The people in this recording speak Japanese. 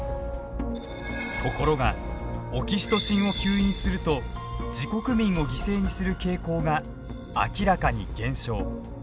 ところがオキシトシンを吸引すると自国民を犠牲にする傾向が明らかに減少。